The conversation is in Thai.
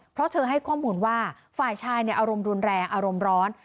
เพราะเธอให้ข้อมูลว่าฝ่ายชายอารมณ์รุนแรงอารมณ์ร้อน